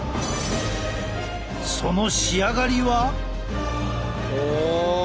その仕上がりは？